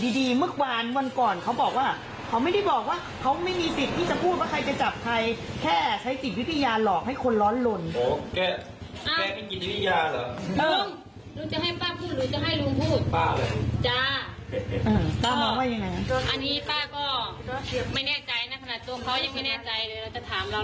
อันนี้ป้าก็ไม่แน่ใจสำหรับตัวเขายังไม่แน่ใจเลยต้องไปถามเขาว่าพี่พ่อพูดมาเขามั่นใจอะไรแค่ไหน